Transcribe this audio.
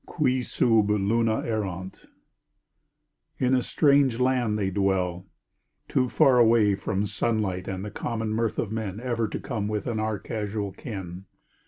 QUI SUB LUNA ERRANT In a strange land they dwell, too far away From sunlight and the common mirth of men Ever to come within our casual ken.